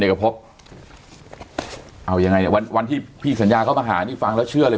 เอกภพเอายังไงวันที่พี่สัญญาเขามาหานี่ฟังแล้วเชื่อเลย